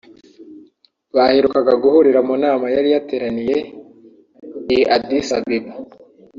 Baherukaga guhurira mu nama yari yateraniye i Addis Ababa